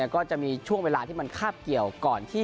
ก็จะมีช่วงเวลาที่มันคาบเกี่ยวก่อนที่